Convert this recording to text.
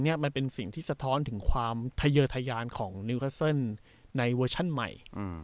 เนี้ยมันเป็นสิ่งที่สะท้อนถึงความเทยอเทยานของในเวอร์ชั่นใหม่อืม